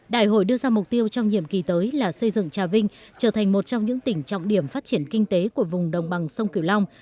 đại hội đưa ra mục tiêu trong nhiệm kỳ tới là xây dựng trà vinh trở thành một trong những tỉnh trọng điểm phát triển kinh tế của vùng đồng bằng sông cửu long